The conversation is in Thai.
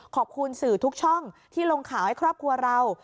ขอบคุณสื่อทุกช่องที่ลงข่าวให้ครอบครัวเรา